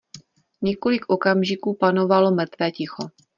Několik okamžiků panovalo mrtvé ticho.